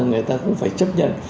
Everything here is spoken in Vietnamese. người ta cũng phải chấp nhận